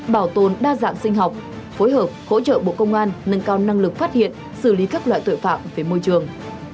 bảo tồn đa dạng sinh học phối hợp hỗ trợ bộ công an nâng cao năng lực phát hiện xử lý các loại tội phạm về môi trường